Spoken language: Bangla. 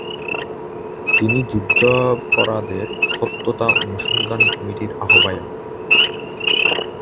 তিনি যুদ্ধাপরাধের সত্যতা অনুসন্ধান কমিটির আহ্বায়ক।